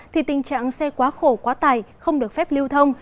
thì tình trạng xe quá khổ quá tải không được phép lưu thông